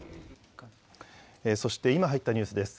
そして今入ったニュースです。